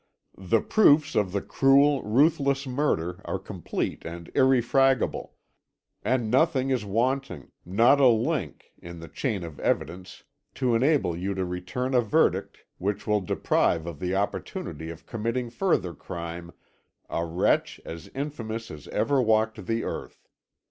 The proofs of the cruel, ruthless murder are complete and irrefragable, and nothing is wanting, not a link, in the chain of evidence to enable you to return a verdict which will deprive of the opportunity of committing further crime a wretch as infamous as ever walked the earth.